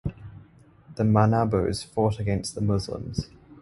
The Manobos fought against the Muslims.